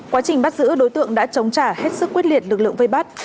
quá trình bắt giữ đối tượng đã chống trả hết sức quyết liệt lực lượng vây bắt